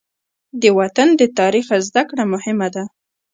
د وطن د تاریخ زده کړه مهمه ده.